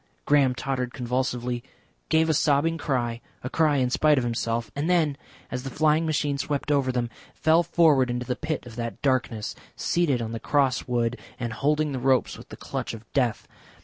Graham tottered convulsively, gave a sobbing cry, a cry in spite of himself, and then, as the flying machine swept over them, fell forward into the pit of that darkness, seated on the cross wood and holding the ropes with the clutch of death.